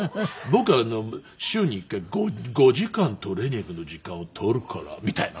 「僕は週に１回５時間トレーニングの時間を取るから」みたいなね。